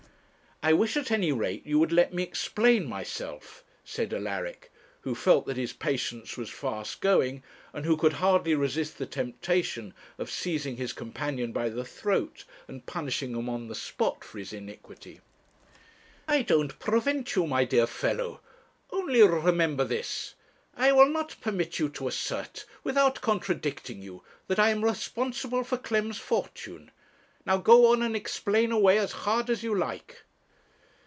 'I wish at any rate you would let me explain myself,' said Alaric, who felt that his patience was fast going, and who could hardly resist the temptation of seizing his companion by the throat, and punishing him on the spot for his iniquity. 'I don't prevent you, my dear fellow only remember this: I will not permit you to assert, without contradicting you, that I am responsible for Clem's fortune. Now, go on, and explain away as hard as you like.'